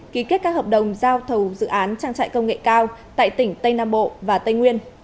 ký kết các hợp đồng giao thầu dự án trang trại công nghệ cao tại tỉnh tây nam bộ và tây nguyên